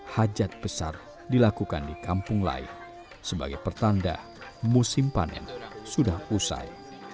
hajat besar dilakukan di kampung lain sebagai pertanda musim panen sudah usai